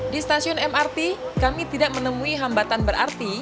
di stasiun mrt kami tidak menemui hambatan berarti